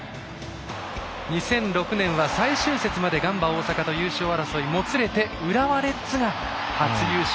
２００６年は最終節までガンバ大阪と優勝争いがもつれて浦和レッズが初優勝。